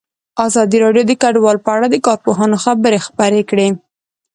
ازادي راډیو د کډوال په اړه د کارپوهانو خبرې خپرې کړي.